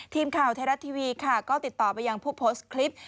ทีมข่าวไทยรัฐทีวีค่ะก็ติดต่อไปยังผู้โพสต์คลิป